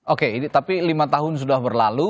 oke tapi lima tahun sudah berlalu